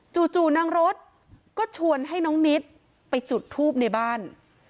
จู่นางรถก็ชวนให้น้องนิดไปจุดทูบในบ้าน